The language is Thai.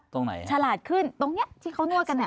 ตรงไหนฉลาดขึ้นตรงนี้ที่เขานวดกันเนี่ย